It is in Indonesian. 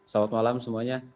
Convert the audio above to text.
selamat malam semuanya